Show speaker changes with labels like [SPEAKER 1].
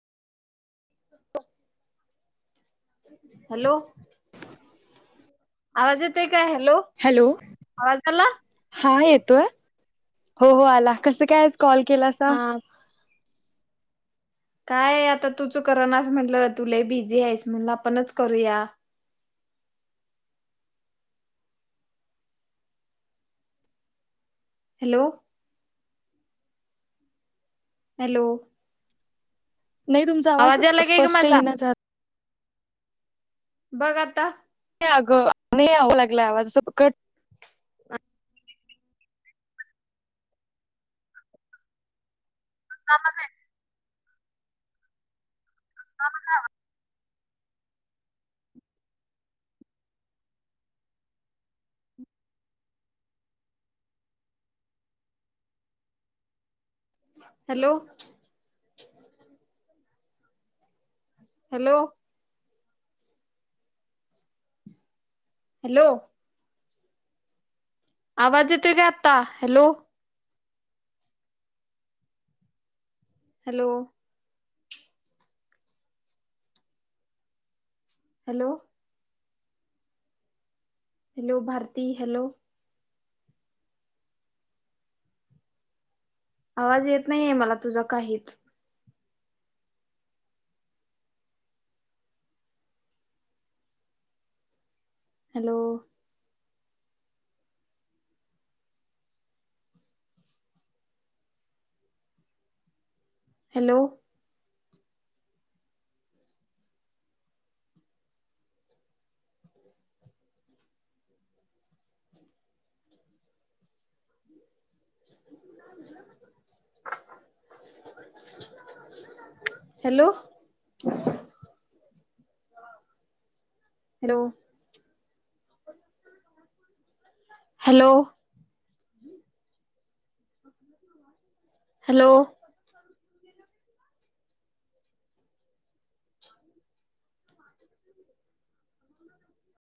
[SPEAKER 1] Hello आवाज येतोय काय हॅलो
[SPEAKER 2] हॅलो
[SPEAKER 1] आवाज आला
[SPEAKER 2] हा येत तोय हो हो आला कसं काय कॉल केलासा
[SPEAKER 1] हा काय आता तूच कर नास म्हटलं तु लई बिझी आहेस म्हटलं आपणच करूया हॅलो हॅलो
[SPEAKER 2] नाही तुमचा आवाज
[SPEAKER 1] यायला काय ग
[SPEAKER 2] स्पष्ट
[SPEAKER 1] माझा
[SPEAKER 2] येनच
[SPEAKER 1] बघ आता
[SPEAKER 2] अग आ लागला आवाजट
[SPEAKER 1] का हा हा हॅलो हॅलो हॅलो आवाज येतोय का आत्ता hello hello hello hello Bharti hello आवाज येत नाहीे मला तुझं काहीच hello hello hello hello hello hello.